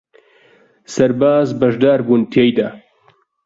سەرباز بەشدار بوون تێیدا